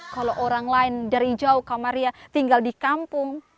kalau orang lain dari jauh kamaria tinggal di kampung